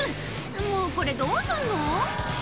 もうこれどうすんの？